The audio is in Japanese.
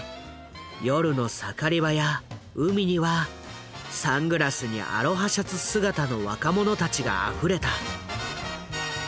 夜の盛り場や海にはサングラスにアロハシャツ姿の若者たちがあふれた。